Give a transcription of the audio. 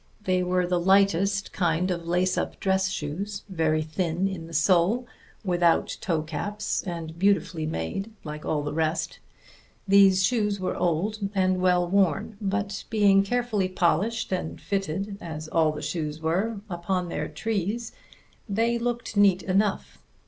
They were the lightest kind of lace up dress shoes, very thin in the sole, without toe caps, and beautifully made, like all the rest. These shoes were old and well worn; but being carefully polished and fitted, as all the shoes were, upon their trees, they looked neat enough.